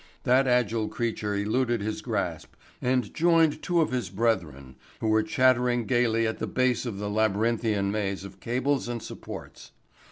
That agile creature eluded his grasp and joined two of his brethren who were chattering gaily at the base of the labyrinthian maze of cables and supports.